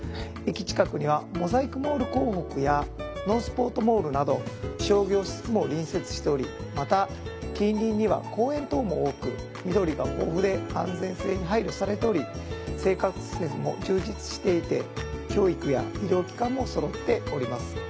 駅近くにはモザイクモール港北やノースポート・モールなど商業施設も隣接しておりまた近隣には公園等も多く緑が豊富で安全性に配慮されており生活施設も充実していて教育や医療機関もそろっております。